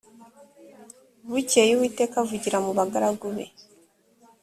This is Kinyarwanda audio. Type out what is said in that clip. bukeye uwiteka avugira mu bagaragu be